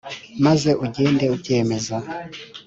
maze ugende ubyemeza